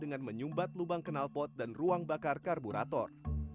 dengan menyumbat lubang kenal pot dan ruang bakar karburator